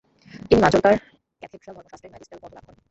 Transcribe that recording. তিনি মাজোর্কার ক্যাথেড্রালের ধর্মশাস্ত্রের ম্যাজিস্টাল পদও লাভ করেন।